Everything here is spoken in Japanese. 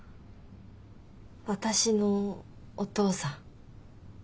私のお父さん。